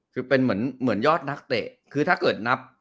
คือเป็นเหมือนยอดนักเตะคือถ้าเกิดนับ